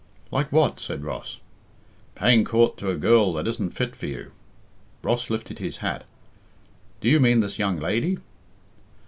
"Like what?" said Ross. "Paying coort to a girl that isn't fit for you." Ross lifted his hat, "Do you mean this young lady?"